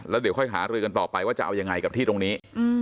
แล้วเดี๋ยวค่อยหารือกันต่อไปว่าจะเอายังไงกับที่ตรงนี้